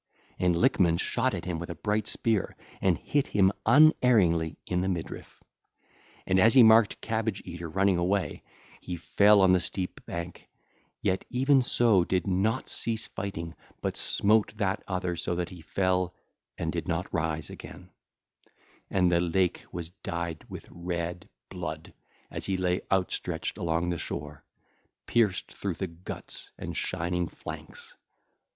And Lickman shot at him with a bright spear and hit him unerringly in the midriff. And as he marked Cabbage eater running away, he fell on the steep bank, yet even so did not cease fighting but smote that other so that he fell and did not rise again; and the lake was dyed with red blood as he lay outstretched along the shore, pierced through the guts and shining flanks.